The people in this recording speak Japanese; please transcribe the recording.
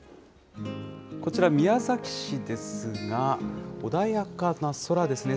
こちら、宮崎市ですが、穏やかな空ですね。